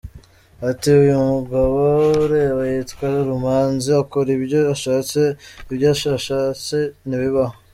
Ati “Uyu mugabo ureba yitwa Rumanzi akora ibyo ashatse, ibyo adashatse ntibihabo.